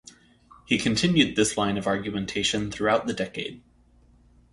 He continued this line of argumentation throughout the decade.